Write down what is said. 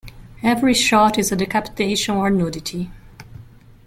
Every shot is decapitation or nudity.